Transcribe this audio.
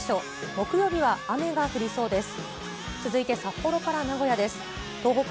木曜日は雨が降りそうです。